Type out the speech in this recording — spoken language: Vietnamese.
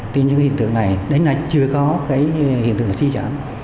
tuy nhiên cái hiện tượng này đến nay chưa có cái hiện tượng xuyên trở